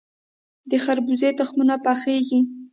د خربوزې تخمونه پخیږي.